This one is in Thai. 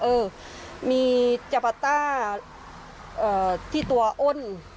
เออมีจับปะต้าที่ตัวโอ๊ค